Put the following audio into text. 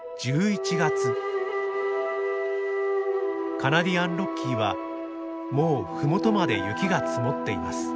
カナディアンロッキーはもう麓まで雪が積もっています。